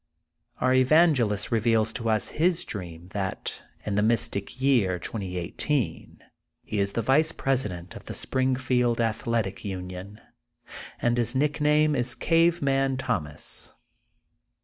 Our evangelist reveals to us his dream that in the Mystic Year 2018, he is the Vice Presi dent of the Springfield Athletic U^ion and his nickname is Cave Man Thomas.